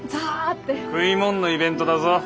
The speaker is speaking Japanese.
食いもんのイベントだぞ。